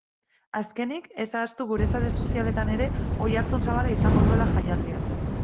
Azkenik, ez ahaztu gure sare sozialetan ere oihartzun zabala izango duela jaialdiak.